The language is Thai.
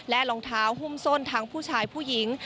รองเท้าหุ้มส้นทั้งผู้ชายผู้หญิง